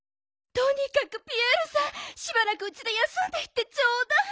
とにかくピエールさんしばらくうちで休んでいってちょうだい。